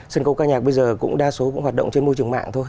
sân khấu ca nhạc bây giờ cũng đa số cũng hoạt động trên môi trường mạng thôi